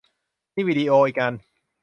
นี่วิดีโออีกอัน